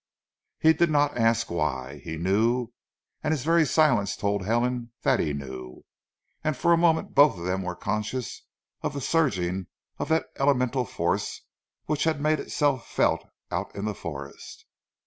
He did not ask why. He knew; and his very silence told Helen that he knew, and for a moment both of them were conscious of the surging of that elemental force which had made itself felt out in the forest.